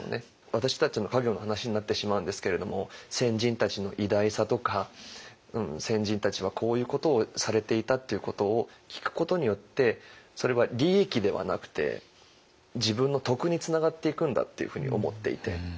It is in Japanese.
私たちの家業の話になってしまうんですけれども先人たちの偉大さとか先人たちはこういうことをされていたっていうことを聴くことによってそれは利益ではなくて自分の徳につながっていくんだっていうふうに思っていて。